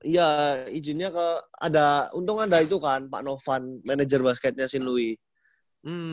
iya izinnya ada untung ada itu kan pak novan manajer basketnya si louis